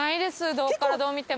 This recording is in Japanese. どこからどう見ても。